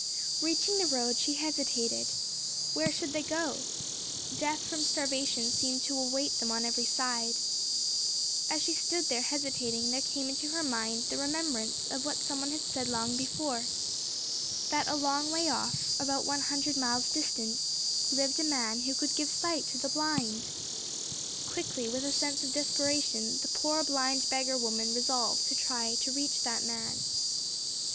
Reaching the road she hesitated. Where should they go to? Death from starvation seemed to await them on every side. As she stood there hesitating there came into her mind the remembrance of what someone had said long before—that a long way off, about one hundred miles distant, lived a man who could give sight to the blind. Quickly with a sense of desperation the poor blind beggar woman resolved to try to reach that man.